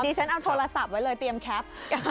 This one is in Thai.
ฉันเอาโทรศัพท์ไว้เลยเตรียมแคป